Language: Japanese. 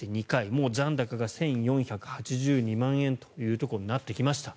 もう残高が１４８２万円というところにまでなってきました。